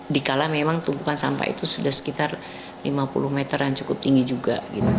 dikala memang tumpukan sampah itu sudah sekitar lima puluh meter yang cukup tinggi juga